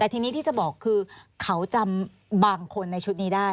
แต่ทีนี้ที่จะบอกคือเขาจำบางคนในชุดนี้ได้